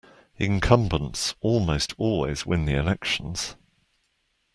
Incumbents almost always win the elections.